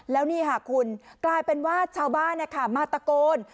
แล้วนี่ค่ะคุณกลายเป็นว่าชาวบ้านมาตะโกน